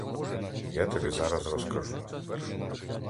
Я тобі зараз скажу.